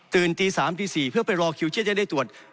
ตื่นตี๓ตี๔เพื่อไปรอคิวเชื่อจะได้ตรวจ